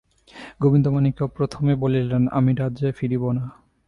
গোবিন্দমাণিক্য প্রথমে বলিলেন, আমি রাজ্যে ফিরিব না।